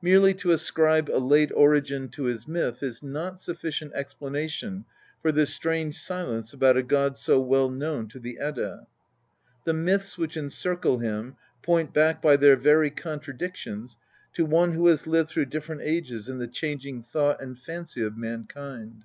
Merely to ascribe a late origin to his myth is not sufficient explanation ior this strange silence about a god so well known to the iidda. The myths which encircle him point back by their very contradictions to one who has lived through different ages in the changing thought and fancy of mankind.